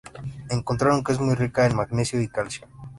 Encontraron que es muy rica en magnesio y calcio.